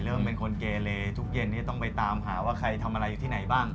เป็นคนเกเลทุกเย็นนี้ต้องไปตามหาว่าใครทำอะไรอยู่ที่ไหนบ้าง